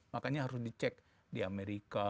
makanya harus dicek di amerika